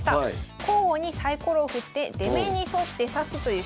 交互にサイコロを振って出目に沿って指すという将棋でございます。